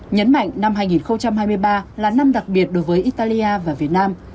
nhấn mạnh năm hai nghìn hai mươi ba là năm đặc biệt đối với italia và việt nam